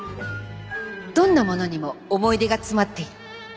どんな物にも思い出が詰まっている。